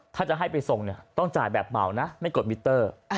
ถ้าจะให้ไปส่งเนี่ยต้องจ่ายแบบเหมานะไม่กดมิเตอร์